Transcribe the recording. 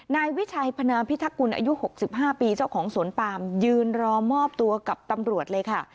นายวิชัยพนามพิทักกุลอายุ๖๕ปีเจ้าของสวนปามยืนรอมอบตัวกับตำรวจเลยค่ะ